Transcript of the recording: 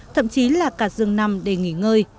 chính là cả giường nằm để nghỉ ngơi